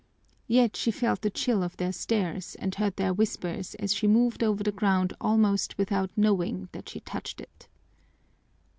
Yet she felt the chill of their stares and heard their whispers as she moved over the ground almost without knowing that she touched it.